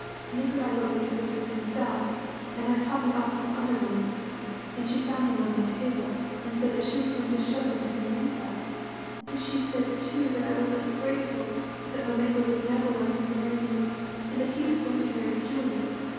"Nikolai wrote these verses himself, and I copied off some other ones ; and she found them on my table and said that she was going to show them to mamenka, and she said too that I was ungrateful, that mamenka would never let him marry me, and that he was going to marry Julie.